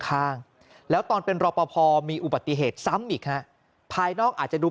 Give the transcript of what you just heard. ข้างแล้วตอนเป็นรอปภมีอุบัติเหตุซ้ำอีกฮะภายนอกอาจจะดู